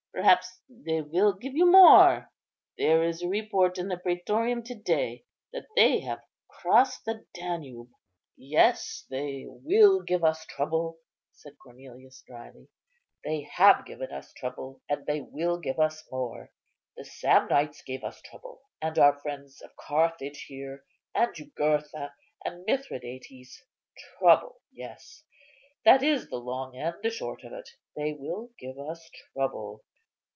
Perhaps they will give you more. There is a report in the prætorium to day that they have crossed the Danube." "Yes, they will give us trouble," said Cornelius, drily; "they have given us trouble, and they will give us more. The Samnites gave us trouble, and our friends of Carthage here, and Jugurtha, and Mithridates; trouble, yes, that is the long and the short of it; they will give us trouble.